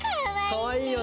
かわいいよね！